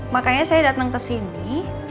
makanya saya datang ke sini